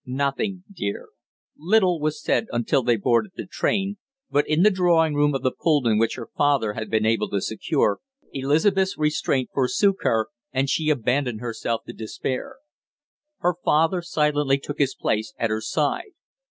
"Nothing, dear." Little was said until they boarded the train, but in the drawing room of the Pullman which her father had been able to secure, Elizabeth's restraint forsook her, and she abandoned herself to despair. Her father silently took his place at her side.